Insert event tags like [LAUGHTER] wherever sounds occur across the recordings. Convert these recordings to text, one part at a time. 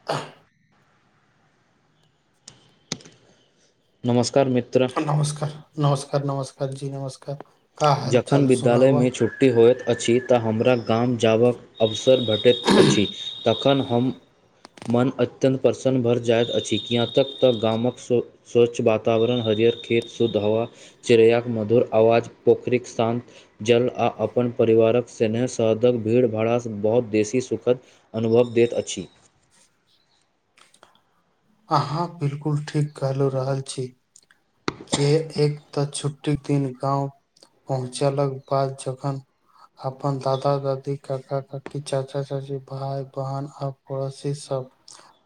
[INAUDIBLE] नमस्कार मित्र नमस्कार नमस्कार नमस्कार जी नमस्कार का हाल जखन चाल सुनावा विद्यालयमे छुट्ट टी होइत अछि तऽ हमरा गाम जाबक अवसर भेटैत अछि तखन हम मन अत्यन्त प्रसन्न भर जाइत अछि किआ तक तऽ गामक सु स्वच्छ वातावरण हरियर खेत सुद्ध हवा चेरैयाक मधुर आवाज पोखरीक शान्त जल आ अपन परिवारक स्नेह सहदक भीड़ भड़ा स बहुत देसी सुखद अनुभव दैत अछि। अहाँ बिल्कुल ठीक कहलु रहल छी के एक तऽ छुट्टी दिन गाँव पहुँचेलक बाद जखन अपन दादा दादी काका काकी चाचा चाची भाय बहन आ पड़ोसी सब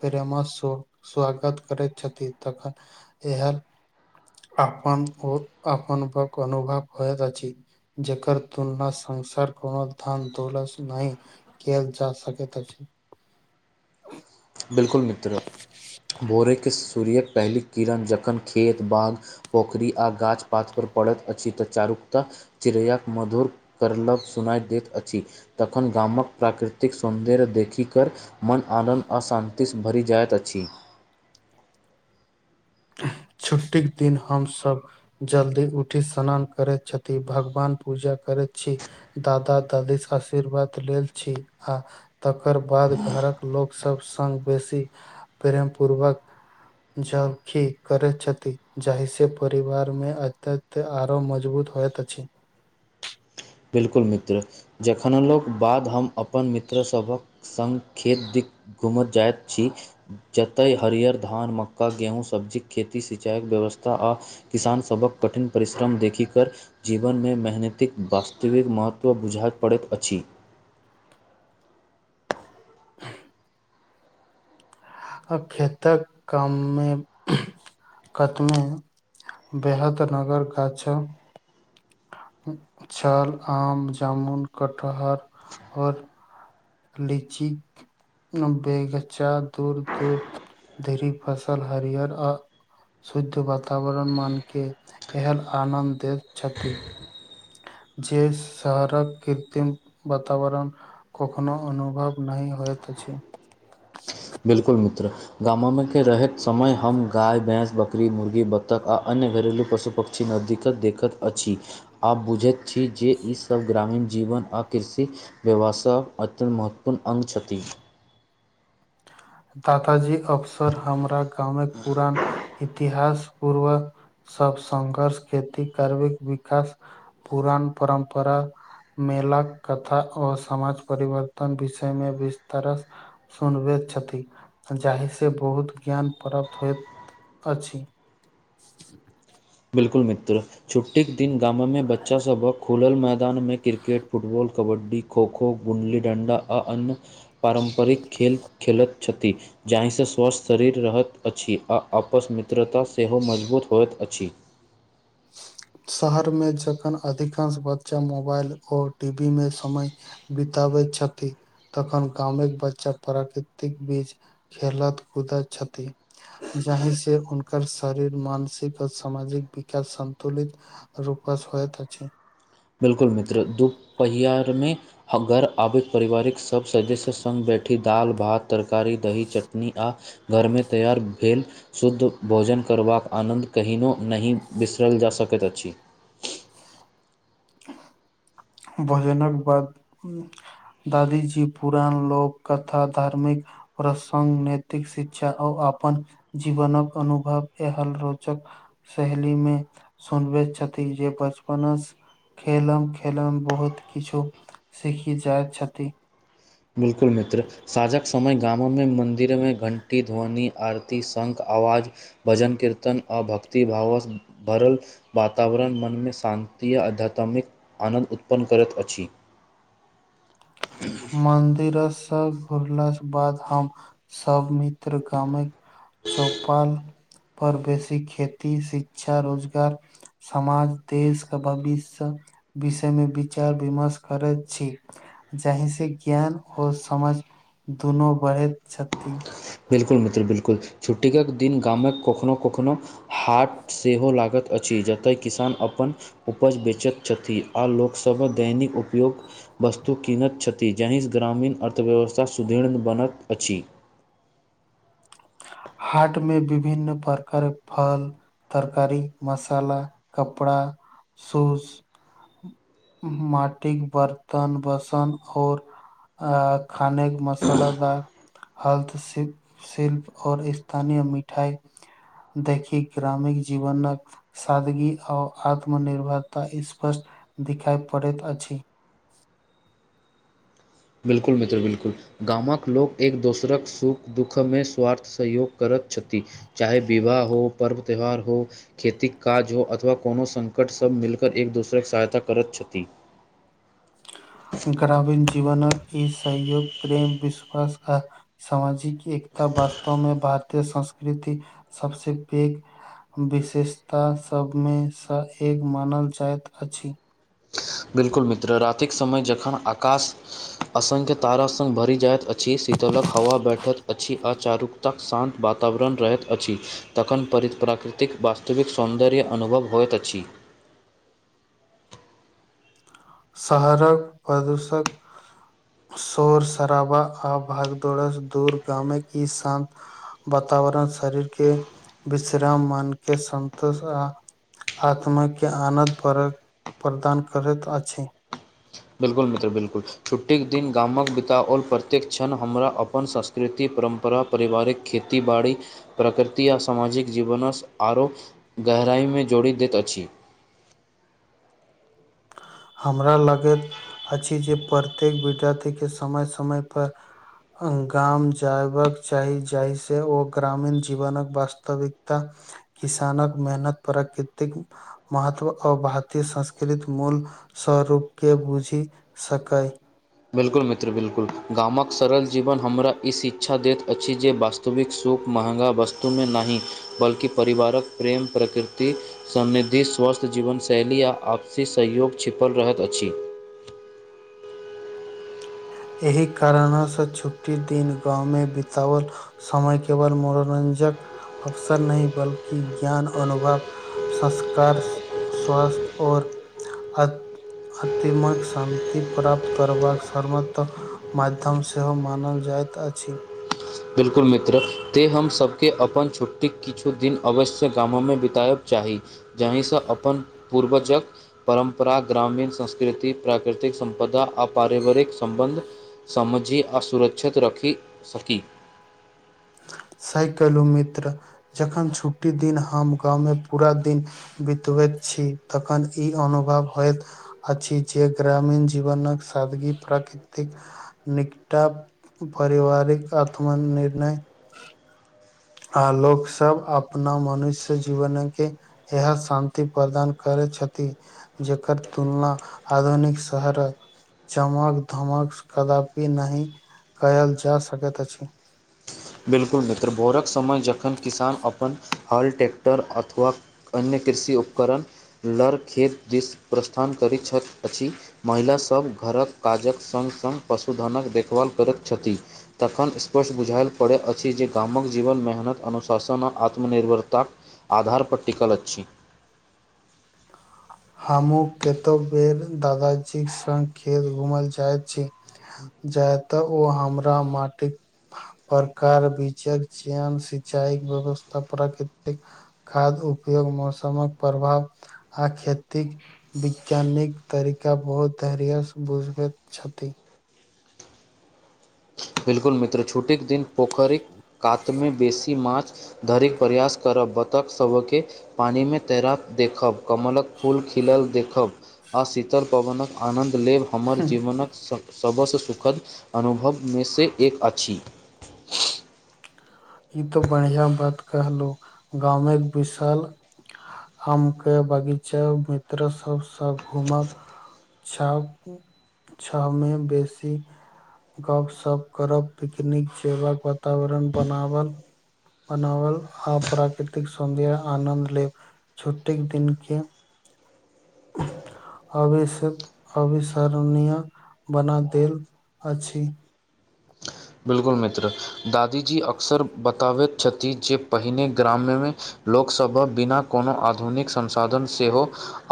प्रेमा सो स्वागत करै छथि तखन इहे अपन ओत अपनक अनुभव होइत अछि। जकर तुना संसार कोनो धान दौलत स नही केलय जा सकैत अछी [UNINTELLIGIBLE] बिल्कुल मित्र भोरे केँ सूर्य कऽ पहली किरण जखन खेत बाग पोखरि आ गाछ पात पर पड़ैत अछि तऽ चारु कतह चिड़ैया कऽ मधुर कर्लब सुनाए दैत अछि तखन गाम कऽ प्राकृतिक सौन्दर्य देखि कर मन आनन्द तीस भरि जाइत अछि छुट्टी दिन हम सभ जल्दी उठी स्नान करै छथि भगवान पूजा करै छी दादा दादी स आशीर्वाद लेल छी आ तकर बाद घर कऽ लोकसभ संग बेसी प्रेम पूर्वक जब की करैत छथि जाहि से परिवार में अत्यत आरो मजबूत होइत अछि बिल्कुल मित्र जखन लोक बाद हम अपन मित्र सभ हक संग खेत दी घुमै जाइत छी जतै हरियर धान मक्का गेहूँ सब्जी केँ खेती सिंचाइ कऽ व्यवस्था आ किसान सभ हक कठिन परिश्रम देखि कर जीवन में मेहनतिक वा स्तविक महत्व बुझा पड़ैत अछि आ खेत कऽ काम में [UNINTELLIGIBLE] बेहद नगर गाछ छल आम जामुन कटहर और लीचि कऽ बेगचा दूर दूर धरी फसल हरियर आ शुद्ध वातावरण मान केँ एहन आनन्द दैत छथि जे शहर कऽ कृत्रिम वातावरण कखनो अनुभव नही होत अछी [INAUDIBLE] बिल्कुल मित्र गाम में केँ रहैत समय हम गाय भैंस बकरी मुर्गी बत्तख आ अन्य घरेलू पशु पक्षी छैनो दिक्कत देखत अछि आब बुझैत छी जे ईसभ ग्रामीण जीवन आ कृषि बेबा सब अत्यन्त महत्वपूर्ण अंग छथि दादाजी अक्सर हमरा गाँमे पुरान इतिहास पूर्व सब संघर्ष खेती करबैक विकास पुरान परम्परा मेल कथा आ समाज परिवर्तन विषय में विस्तर सुनबैत छथि जाहि से बहुत ज्ञान प्राप्त होइत अछि [UNINTELLIGIBLE] बिल्कुल मित्र छुट्टी कऽ दिन गाम में बच्चा सभ हक खुलल मैदान में क्रिकेट फुटबॉल कबड्डी खोखो गुली डण्डा आ अन्य पारम्परिक खेल खेलैत छथि जाहि से स्वस्थ शरीर रहैत अछि आ आपस मित्रता सेहो मजबूत होइत अछि शहर में जखन अधिकांश बच्चा मोबाइल और टी वी में समय बितबैत छथि तखन गामे केँ बच्चा प्राकृतिक बीच खेेलत कुद छथि जाहि से उनक शरीर मानसिक और सामाजिक बीच सन्तुलित रूपास होइत अछि बिल्कुल मित्र दुपहिया आर मे घर आबति पारिवारिक सभ सदस्य सङ्ग बैठी दालि भात तरकारी दही चटनी आ घर मे तैयार भेल शुद्ध भोजन करबाक आनन्द कहिनो नहि बिसरल जा सकति अछि [UNINTELLIGIBLE] भोजनक बाद दादी जी पुरान लोक कथा धार्मिक प्रसंग नैतिक शिक्षा आव अपन जीवनक अनुभव एहल रोचक सहेली मे सुनबति छथि जे बचपना स खेलम खेलम बहुत किछो सीखी जाय छथि बिल्कुल मित्र साँझक समय गामो मे मन्दिर मे घण्टी ध्वनि आरती शंख आवाज भजन कीर्तन आ भक्ति भावसँ भरल वातावरण मन मे शान्ति आ आध्यात्मिक आनन्द उत्पन्न करति अछि मंदिर से घुरला बाद हम सब मित्र गामे चौपाल पर बेसी खेती शिक्षा रोजगार समाज देश के भविष्य विषय मे विचार विमर्श करति छी जाहि से ज्ञान आओर समझ दुनू बढ़ति छथि बिलकुल मित्र बिलकुल छुट्टी के दिन गामक कखनो कखनो हाट सेहो लागत अछि जतय किसान अपन उपज बेचत छथि आ लोक सभ दैनि उपयोग वस्तु कीनत छथि जाहिसँ ग्रामीण अर्थव्यवस्था सुदृर्ढ़ बनत अछि हाट मे विभिन्न प्रकारक फल तरकारी मसाला कपड़ा शूज माटिक बर्तन बसन आओर आ खाने के मसालादा हल्थ शिल्प आओर स्थानीय मिठाई देखिक ग्रामिणिक जीवनक सादगी आ आत्मनिर्भरता स्पष्ट दिखाई पड़ति अछि बिल्कुल मित्र बिल्कुल गामक लोक एक दोसरक सुख दुःख मे स्वार्थ सहयोग करति छथि चाहे विवाह हो पर्व त्योहार हो खेती काज हो अथवा कोनो संकट सब मिलकर एक दोसरे के सहायता करति छथि ग्रामीण जीवनक ई सहयोग प्रेम विश्वास आ सामाजिक एकता वास्तव मे भारतीय संस्कृति सबसे पेघ विशेषता सभ मे सँ एक मानल जाइत अछि बिल्कुल मित्र रातिक समय जखन आकाश असंख्य तारा संग भरि जाइत अछि शीतलक हवा बठित अछि आ चारू तक शान्त वातावरण रहति अछि तखन परिप्राकृतिक वास्तविक सौन्दर्य अनुभव होइत अछि शहरक प्रदूषक शोर शराबा आ भागदोडस दूर गमे की शान वातावरण शरीर के विश्राम मन के सन्तोष आ आत्माके आनद परत प्रदान करैत अछि बिल्कुल मित्र बिल्कुल छुट्टीके दिन गामक बिताओल प्रत्येक क्षण हमरा अपन सस्ता संस्कृति परम्परा परिवारिक खेती बाड़ी प्रकृति आ सामाजिक जीवनसँ आरो गहराइमे जोड़ि दैत अछि हमरा लगैत अछि जे प्रत्येक विद्यार्थी के समय समय पर गाम जायबाक चाही जाहिसँ ओ ग्रामीण जीवनक वास्तविकता किसानक मेहनत प्राकृतिक महत्व ओ भारतीय संस्कृत मूल स्वरूप के बुझि सकैय बिल्कुल मित्र बिल्कुल गामक सरल जीवन हमरा ई शिक्षा दैत अछि जे वास्तव विक सुख महँगा वस्तुमे नाहि बल्कि परिवारक प्रेम प्रकृति समृद्धि स्वस्थ जीवनशैली आ आपसी सहयोग छिपल रहैत अछि। एहि कारणसँ छुट्टी दिन गाँवमे बिताओल समय केवल मनोरंजक अवसर नहि बल्कि ज्ञान अनुभव संस्कार स्वास्थ आओर अत अतिमक शान्ति प्राप्त करबाक सर्मत त माध्यम सेहो मानल जाइत अछि। बिल्कुल मित्र तैं हम सभके अपन छुट्टीके किछु दिन अवश्य गामोमे बिताएब चाही जाहिसँ अपन पूर्वजक परम्परा ग्रामीण संस्कृति प्राकृतिक सम्पदा आ पारिवारिक सम्बन्ध समझि आ सुरक्षित रखी सकी सही कहलु मित्र जखन छुट्टी दिन हम गाँवमे पूरा दिन बितबैत छी तखन ई अनुभव होइत अछि जे ग्रामीण जीवनक सादगी प्राकृतिक निकटा परिवारिक आत्म निर्णय आ लोक सब अपना मनुष्य जीवन के इहे शान्ति प्रदान करै छथि। जेकर तुलना आधुनिक शहर आ चमक धमक कदापि नहि कयल जा सकैत अछि। बिल्कुल मित्र भोरक समय जखन किसान अपन हल ट्रैक्टर अथवा अन्य कृषि उपकरण लर खेत दिस प्रस्थान करै छथ अछि महिला सभ घरक काजक सङ्ग सङ्ग पशुधनक देखभाल करैत छथि तखन स्पर्श बुझायल पड़ै अछि जे गामक जीवन मेहनत अनुशासन आ आत्मनिर्भरताक आधार पर टिकल अच्छी हमहुँ केतौ बेर दादाजीक संग खेल घुमल चाहैत छी जाय तऽ ओ हमरा माटिक प्रकार विजक चयन सिंचाई व्यवस्था प्राकृतिक खाद उपयोग मौसमक प्रभाव आ खेती तिक वैज्ञानिक तरीका बहुत धैर्यसँ बुझबैत छथि बिल्कुल मित्र छुट्टीक दिन पोखरिक कातमे बेसी माछ धरिक प्रयास करब बत्तख सभके पानिमे तैराक देखब कमलक फूल खिलल देखब आ शीतल पवनक आनन्द लेब हमर जीवनक सबसँ सुखद अनुभव मेसे एक अछि ई तो बढ़ियाँ बात कहलु गाँवमे विशाल हम कहियो बगीच मित्र सब स घुमब छाओ [INAUDIBLE] छाओ में बेसी गपशप करब पिकनिक जेबा कऽ वातावरण बनाब वल बनावल आ प्राकतिक सौन्दर्य आनन्द लेब छुट्टी दिन केँ [UNINTELLIGIBLE] अवि अविसरणीय बना देल अछि बिल्कुल मित्र दादीजी अक्सर बताबैत छथि जे पहिने ग्राम्य में लोक सभ हक बिना कोनो आधुनिक संसाधन सेहो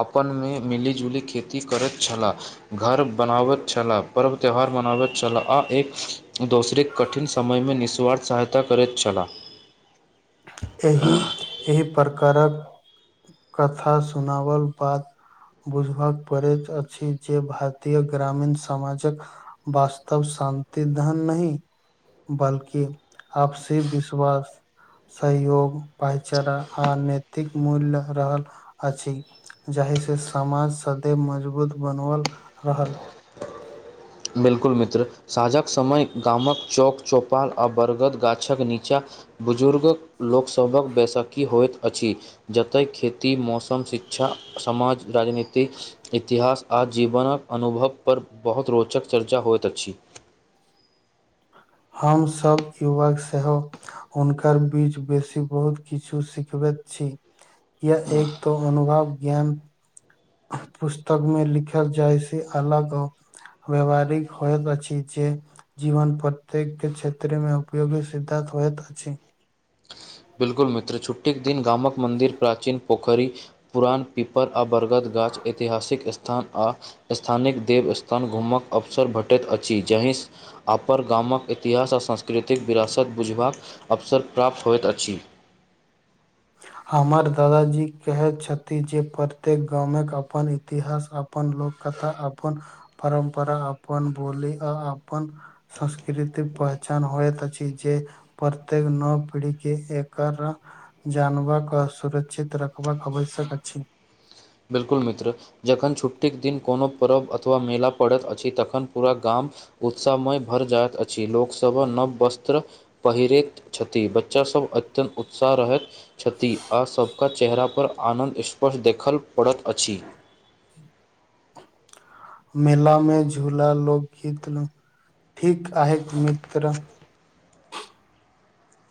अपन में मिलि जुली खेती करैत छलाह घर बनाबैत छला पर्व त्यौहार मनाबैत छल आ एक दोसरे कठिन समयमे निःस्वार्थ सहायता करैत छला एहि एहि प्रकार कऽ कथा सुनावल बाद बुझबाक पड़ैत अछि जे भारतीय ग्रामीण समाज कऽ वास्तव शान्ति धन नहीं बल्कि आपसी विश्वास सहयोग भईचारा आ नैतिक मूल्य रहल अछि जाहि से समाज सदैव मजबूत बनवल रहल बिल्कुल मित्र साँझक समय गामक चौक चौपाल आ बरगद गाछक नीचाँ बुजुर्ग लोक सभ हक बैसाखी होइत अछि जतैय खेती मौसम शिक्षा समाज राजनीति इतिहास आ जीवनक अनुभव पर बहुत रोचक चर्चा होइत अछि हम सभ युव सहेब हुनकर बीच बेसी बहुत किछु सिखबैत छी या एक तो अनुभव ज्ञान पुस्तक में लिखल जाय से अलगो व्यवहारिक होयब अछि जे जीवन प्रत्येक क्षेत्र में उपयोगी सिद्धात होइत अछि बिल्कुल मित्र छुट्टी केँ दिन गाम कऽ मन्दिर प्राचीन पोखरि पुरान पीपल आ बरगद गाछ ऐतिहासिक स्थान आ स्थानिक देव स्थान घूमक अवसर भेटैत अछि जाहि स अपन गामक इतिहास आ सास्कृतिक विरासत बुझबाक अवसर प्राप्त होइत अछि हमर दादाजी कहैत छथि जे प्रत्येक गामक अपन इतिहास अपन लोक कथा अपन परम्परा अपन बोली आ अपन संस्कृतिक पहचान होइत अछि जे प्रत्येक नव पीढ़िकी एकर जानबाक कऽ आ सुरक्षित रखबाक आवश्यक अछि बिल्कुल मित्र जखन छुट्टी कऽ दिन कोनो पर्व अथवा मेला पड़ैत अछि तखन पूरा गाम उत्साहमय भर जाइत अछि लोकसभ नव वस्त्र पहिरैत छथि बच्चा सभ अत्यन्त उत्साह रहैत छति आ सभ कऽ चेहरा पर आनन्द स्पर्श देखल पड़ैत अछि मेला में झूला लोकगीत न् [INAUDIBLE] ठीक आहे मित्र